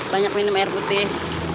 banyak minum air putih